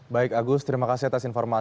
baik agus terima kasih atas informasi